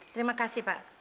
terima kasih pak